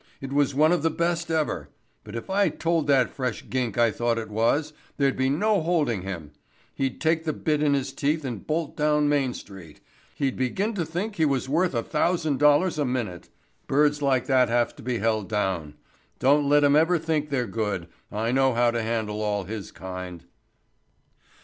"It was one of the best ever, but if I told that fresh gink I thought it was, there'd be no holding him. He'd take the bit in his teeth and bolt down Main street. He'd begin to think he was worth a thousand dollars a minute. Birds like that have to be held down. Don't let 'em ever think they're good, I know how to handle all his kind."